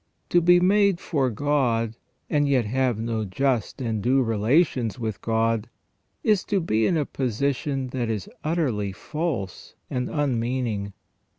To be made for God, and yet have no just and due relations with God, is to be in a position that is utterly false and unmeaning.